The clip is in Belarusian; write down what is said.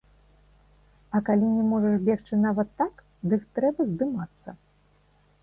А калі не можаш бегчы нават так, дык трэба здымацца.